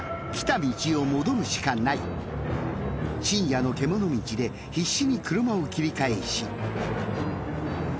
もはや深夜の獣道で必死に車を切り返し。